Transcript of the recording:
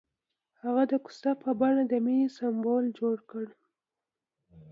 هغه د کوڅه په بڼه د مینې سمبول جوړ کړ.